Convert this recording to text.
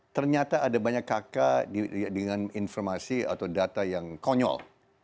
ternyata ada banyak kk dengan informasi atau data yang konyol